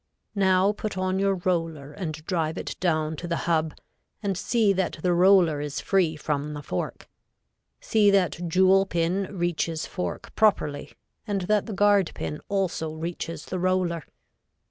Now put on your roller and drive it down to the hub and see that the roller is free from the fork. See that jewel pin reaches fork properly and that the guard pin also reaches the roller.